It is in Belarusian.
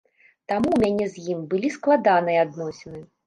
Таму ў мяне з ім былі складаныя адносіны.